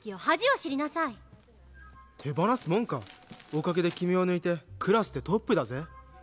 恥を知りなさい手放すもんかおかげで君を抜いてクラスでトップだぜ？